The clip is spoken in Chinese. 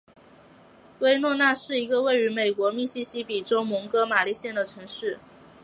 威诺纳是一个位于美国密西西比州蒙哥马利县的城市。